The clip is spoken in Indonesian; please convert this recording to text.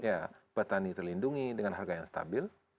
ya petani terlindungi dengan harga yang stabil